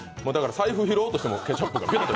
財布を拾おうとしてもケチャップが出てくる。